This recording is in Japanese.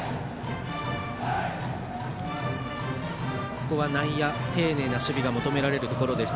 ここは内野、丁寧な守備が求められるところです。